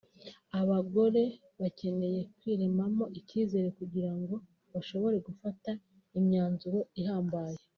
Abagore bakeneye kwiremamo icyizere kugira ngo bashobore gufata imyanzuro ihambaye